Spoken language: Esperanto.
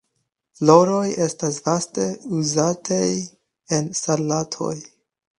Floroj estas vaste uzataj en salatoj.